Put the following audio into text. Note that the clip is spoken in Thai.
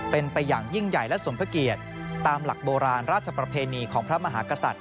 เป็นไปอย่างยิ่งใหญ่และสมพระเกียรติตามหลักโบราณราชประเพณีของพระมหากษัตริย